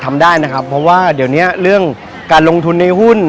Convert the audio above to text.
ทำได้นะครับเพราะว่าเดี๋ยวนี้เรื่องการลงทุนในหุ้น